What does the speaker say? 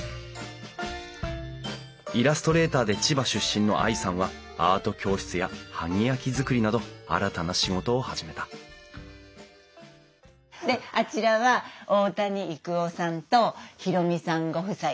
イラストレーターで千葉出身の愛さんはアート教室や萩焼づくりなど新たな仕事を始めたであちらは大谷育男さんと弘美さんご夫妻で。